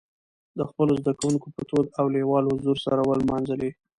د خپلو زدهکوونکو په تود او لېوال حضور سره ونمانځلي.